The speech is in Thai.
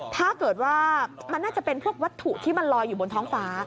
ถ้าเกิดว่ามันน่าจะเป็นพวกวัตถุที่มันลอยอยู่บนท้องฟ้า